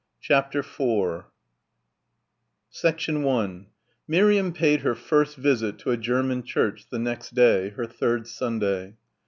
CHAPTER IV 1 Miriam paid her first visit to a German church the next day, her third Sunday.